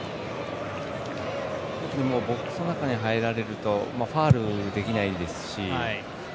特にボックスの中に入られるとファウルできないですし。